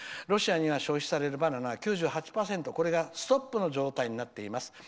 ロシアに消費されるバナナは９８％がストップの状態になっています。